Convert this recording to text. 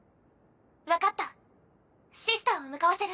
分かったシスターを向かわせる。